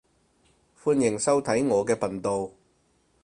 歡迎收睇我嘅頻道